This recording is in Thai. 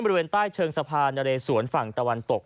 บริเวณใต้เชิงสะพานนะเรสวนฝั่งตะวันตก